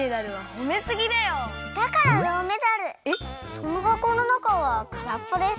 そのはこのなかはからっぽです。